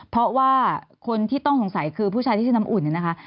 เพราะว่าคนที่ต้องสงสัยคือผู้ชายที่ชื่อน้ำอุ่นเนี่ยนะคะ